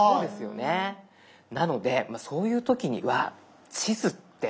なのでそういう時には地図って。